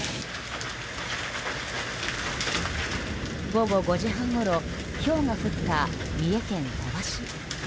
午後５時半ごろひょうが降った三重県鳥羽市。